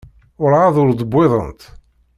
Werɛad ur d-wwiḍent?